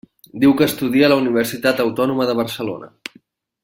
Diu que estudia a la Universitat Autònoma de Barcelona.